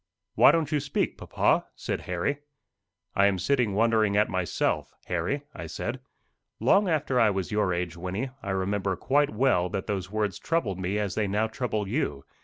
"Why don't you speak, papa?" said Harry. "I am sitting wondering at myself, Harry," I said. "Long after I was your age, Wynnie, I remember quite well that those words troubled me as they now trouble you.